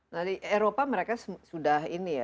nah di eropa mereka sudah